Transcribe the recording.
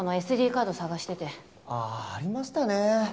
カード捜しててああありましたね